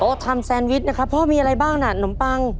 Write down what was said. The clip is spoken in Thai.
ก็ทำแซนวิชนะครับพ่อมีอะไรบ้างน่ะหนมปัง